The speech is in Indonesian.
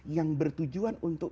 yang bertujuan untuk